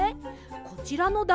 こちらのだ